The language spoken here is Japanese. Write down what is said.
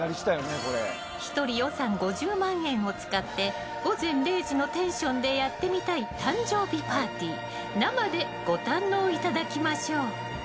１人予算５０万円を使って午前０時のテンションでやってみたい誕生日パーティー生でご堪能いただきましょう。